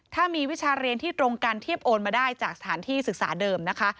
ถ้ามีวิชาเรียนที่ตรงกันเทียบโอนมาได้จากสถานที่ศึกษาเดิมนะคะ